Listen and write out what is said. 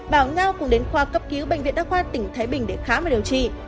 bảo nhau cùng đến khoa cấp cứu bệnh viện đa khoa tỉnh thái bình để khám và điều trị